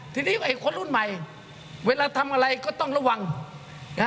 ทีนี้ไอ้คนรุ่นใหม่เวลาทำอะไรก็ต้องระวังนะ